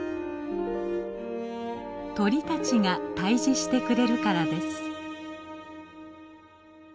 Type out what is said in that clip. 鳥たちが退治してくれるからです。